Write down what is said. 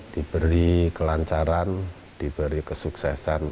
diberi kelancaran diberi kesuksesan